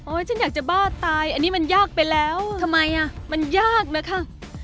ฉันอยากจะบ้าตายอันนี้มันยากไปแล้วทำไมอ่ะมันยากนะคะ